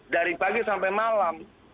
dari pagi sampai malam